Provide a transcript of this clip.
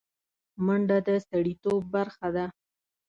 منډه د سړيتوب برخه ده